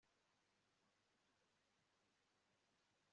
karekezi na mariya ntibumvikana ntaho bahuriye